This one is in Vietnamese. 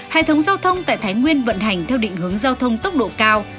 hệ thống giao thông tại thái nguyên vận hành theo định hướng giao thông tốc độ cao